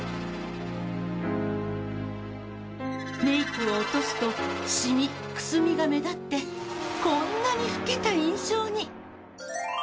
メイクを落とすとシミ・くすみが目立ってこんなに老けた印象に。